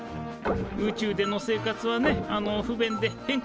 宇宙での生活はねあの不便で変化が少ない。